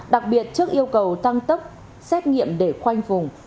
đặc biệt trước yêu cầu tăng tốc xét nghiệm để khoanh vùng